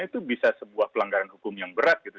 itu bisa sebuah pelanggaran hukum yang berat gitu